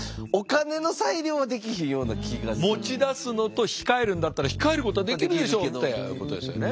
持ち出すのと控えるんだったら控えることはできるでしょうってことですよね。